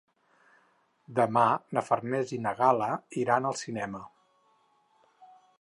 Demà na Farners i na Gal·la iran al cinema.